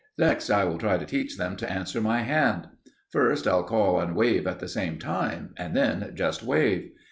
Next I shall try to teach them to answer my hand. First I'll call and wave at the same time, and then just wave.